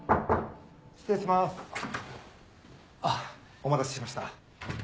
お待たせしました。